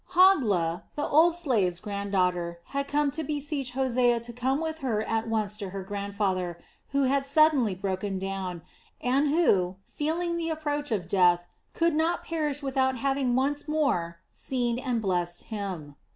Hogla, the old slave's granddaughter, had come to beseech Hosea to go with her at once to her grandfather, who had suddenly broken down, and who feeling the approach of death could not perish without having once more seen and blessed him.